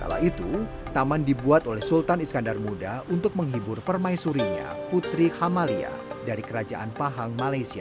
kala itu taman dibuat oleh sultan iskandar muda untuk menghibur permaisurinya putri khamalia dari kerajaan pahang malaysia